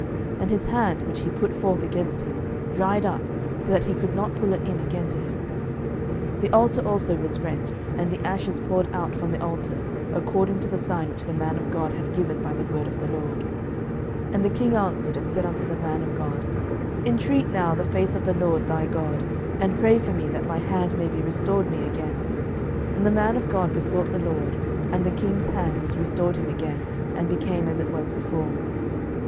And his hand, which he put forth against him, dried up, so that he could not pull it in again to him. 11:013:005 The altar also was rent, and the ashes poured out from the altar, according to the sign which the man of God had given by the word of the LORD. 11:013:006 And the king answered and said unto the man of God, Intreat now the face of the LORD thy God, and pray for me, that my hand may be restored me again. And the man of God besought the LORD, and the king's hand was restored him again, and became as it was before.